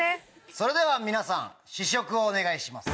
それでは皆さん試食をお願いします。